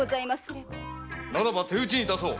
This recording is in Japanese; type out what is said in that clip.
ならば手討ちにいたそう！